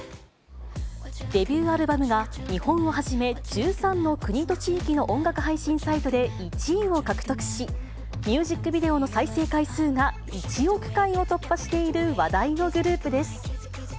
デビューアルバムが日本をはじめ、１３の国と地域の音楽配信サイトで１位を獲得し、ミュージックビデオの再生回数が１億回を突破している話題のグループです。